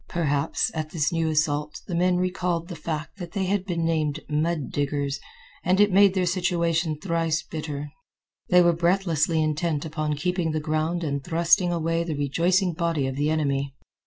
Perhaps, at this new assault the men recalled the fact that they had been named mud diggers, and it made their situation thrice bitter. They were breathlessly intent upon keeping the ground and thrusting away the rejoicing body of the enemy.